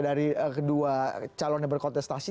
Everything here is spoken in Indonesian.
dari kedua calon yang berkontestasi